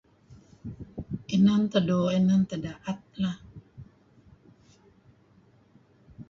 Inan tah do'o inan tah daat lah...